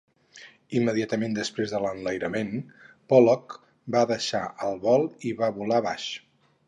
Immediatament després de l'enlairament, Pollock va deixar el vol i va volar baix.